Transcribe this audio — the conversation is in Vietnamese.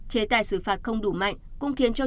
chế tài xử phạt không đủ mạnh cũng khiến cho